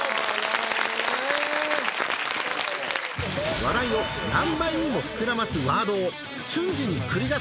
笑いを何倍にも膨らますワードを瞬時に繰り出す